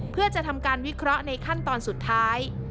เพื่อจะทำการวิเคราะห์ในขั้นตอนสุดท้าย